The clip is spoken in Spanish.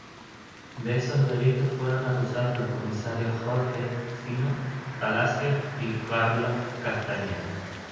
De esos delitos fueron acusados los comisarios Jorge "Fino" Palacios y Carlos Castañeda.